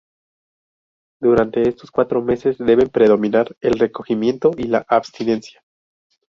Durante estos cuatro meses deben predominar el recogimiento y la abstinencia.